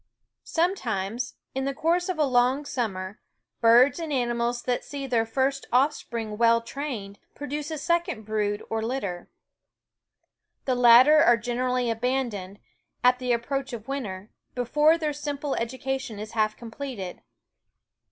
Sometimes, in the course of a long summer, birds and animals that see their first offspring well trained produce a second brood or litter. The latter are generally abandoned, at the approach of winter, before t simple education is half completed.